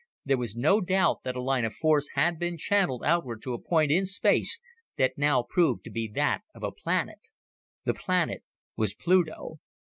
There was no doubt that a line of force had been channeled outward to a point in space that now proved to be that of a planet. The planet was Pluto.